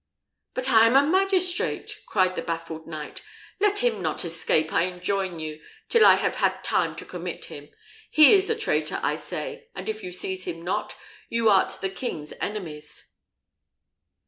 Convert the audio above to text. "But I am a magistrate," cried the baffled knight; "let him not escape, I enjoin you, till I have had time to commit him. He is a traitor, I say, and if you seize him not, you art the king's enemies."